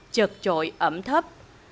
chật trội ẩm thấp